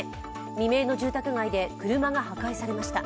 未明の住宅街で車が破壊されました。